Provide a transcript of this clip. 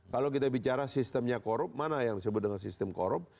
kalau kita bicara sistemnya korup mana yang disebut dengan sistem korup